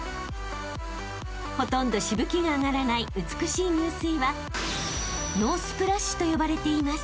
［ほとんどしぶきが上がらない美しい入水はノースプラッシュと呼ばれています］